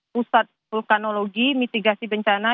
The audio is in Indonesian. pusat vulkanologi mitigasi bencana